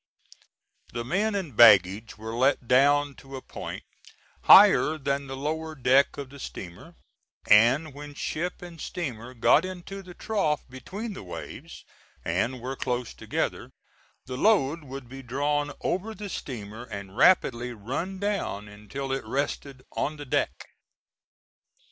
The men and baggage were let down to a point higher than the lower deck of the steamer, and when ship and steamer got into the trough between the waves, and were close together, the load would be drawn over the steamer and rapidly run down until it rested on the deck.